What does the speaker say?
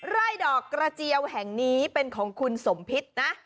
ไร่ดอกกระเจียวแห่งนี้เป็นของคุณสมพิษนะ